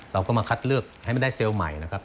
เราก็มาคัดเลือกให้มันได้เซลล์ใหม่นะครับ